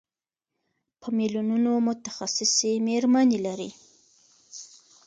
په میلیونونو متخصصې مېرمنې لري.